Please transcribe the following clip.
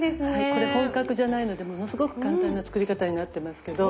これ本格じゃないのでものすごく簡単な作り方になってますけど。